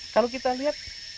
kalau kita lihat